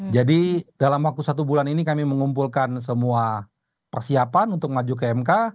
jadi dalam waktu satu bulan ini kami mengumpulkan semua persiapan untuk maju ke mk